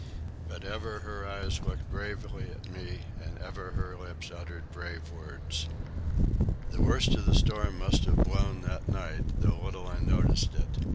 But ever her eyes looked bravely at me, and ever her lips uttered brave words. The worst of the storm must have blown that night, though little I noticed it.